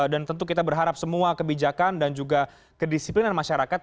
tentu kita berharap semua kebijakan dan juga kedisiplinan masyarakat